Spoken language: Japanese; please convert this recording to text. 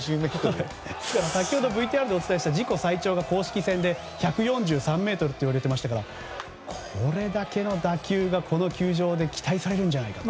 先ほどＶＴＲでお伝えした自己最長が公式戦で１４３ｍといわれていましたからこれだけの打球がこの球場で期待されるんじゃないかと。